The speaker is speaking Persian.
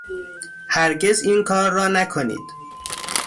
هرگز اینکار را نکنید.